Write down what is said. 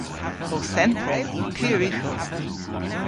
Ow thempredh yw pur ughel.